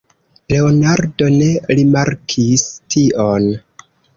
Leonardo ne rimarkis tion.